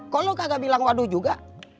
kalau lo kagak bilang waduh juga